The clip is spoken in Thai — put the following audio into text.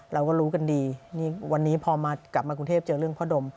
เราก็รู้กันดีนี่วันนี้พอกลับมากรุงเทพเจอเรื่องพ่อดม